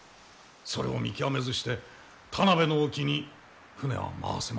それを見極めずして田辺の沖に船は回せませぬ。